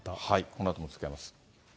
このあとも続けます。